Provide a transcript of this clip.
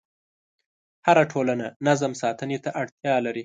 هره ټولنه نظم ساتنې ته اړتیا لري.